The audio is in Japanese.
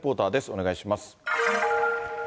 お願いします。